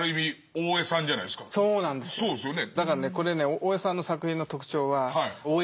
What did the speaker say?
そうですよね。